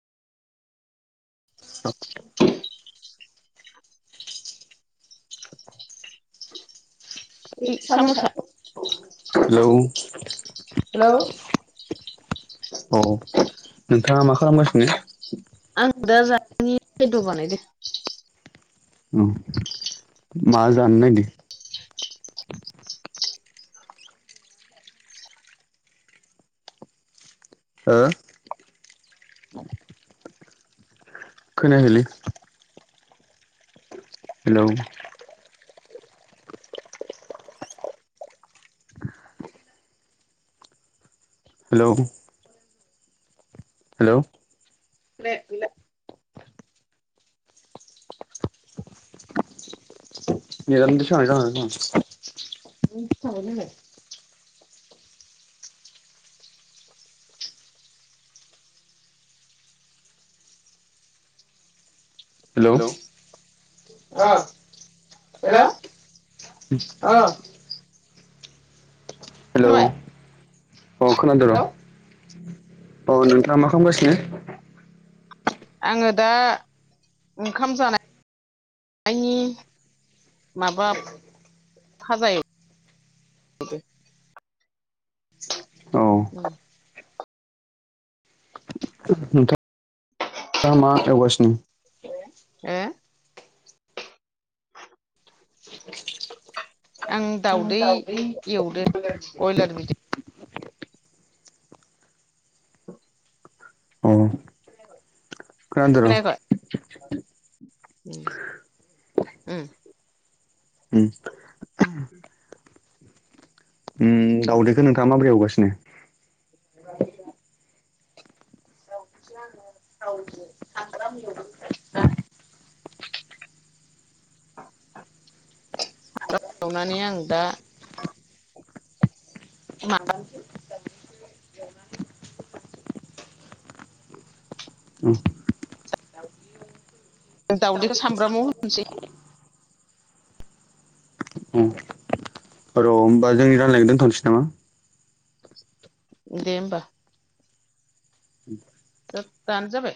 [inaudible] [inaudible] hello औ नोंथाङा मा खालामगासिनो द बानायदों अह मा जानो नादों ओ खोनायाखैलै हेलौ हेलौ हेलौ [unintelligible] हेल' अ हेल' अ खोनाबाय अ खोनादों र' औ नोंथाङा मा खालामगासिनो आङो दा ओंखाम जानाय नि माबा भाजा एव [unintelligible] औ नोंथां आ मा एवगासिनो ओ आं दाउदै एवदों बयलार बिदि अ खोनायाखै उ उ दाउदैखौ नोंथाङा माबोरै एवगासिनो [unintelligible] एवनानै आं दा माबा औ जों दाउदैखौ सामब्रामाव होनोसै र' होमबा जोंनि रानलायनायखौ दोनथ'नोसै नामा दे होमबा ज दानो जाबाय